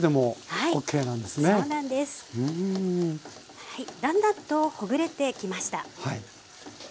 はいだんだんとほぐれてきました。